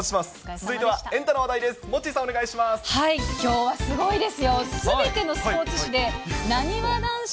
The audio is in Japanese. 続いてはエンタの話題です。